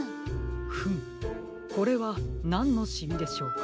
フムこれはなんのシミでしょうか。